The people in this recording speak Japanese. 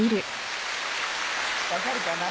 分かるかな？